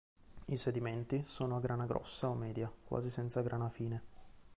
I sedimenti sono a grana grossa o media, quasi senza grana fine.